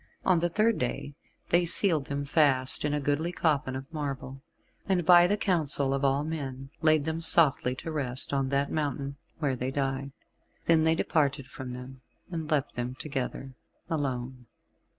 On the third day they sealed them fast in a goodly coffin of marble, and by the counsel of all men, laid them softly to rest on that mountain where they died. Then they departed from them, and left them together, alone.